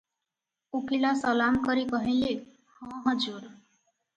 ଉକୀଲ ସଲାମ କରି କହିଲେ, "ହଁ ହଜୁର ।"